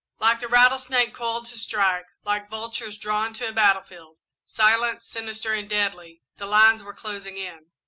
Like the rattlesnake coiled to strike, like vultures drawn to a battlefield, silent, sinister, and deadly, the lines were closing in.